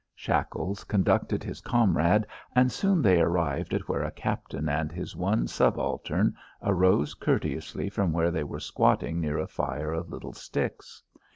Shackles conducted his comrade, and soon they arrived at where a captain and his one subaltern arose courteously from where they were squatting near a fire of little sticks.